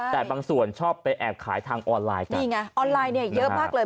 แต่บางส่วนชอบไปแอบขายทางออนไลน์นี่ไงออนไลน์เนี่ยเยอะมากเลย